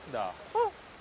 あっ。